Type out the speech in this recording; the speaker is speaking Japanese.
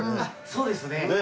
そうですね。